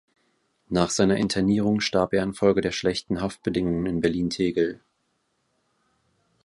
Nach seiner Internierung starb er infolge der schlechten Haftbedingungen in Berlin-Tegel.